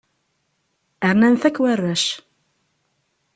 Rnan-t akk warrac.